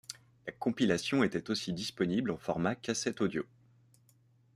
La compilation était aussi disponible en format cassette audio.